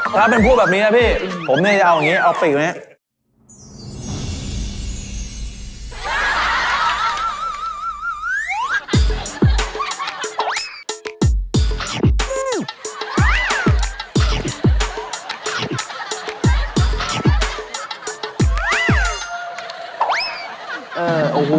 ถ้าเป็นพวกแบบนี้นะพี่ผมเนี่ยจะเอาอย่างนี้เอาปีกไหม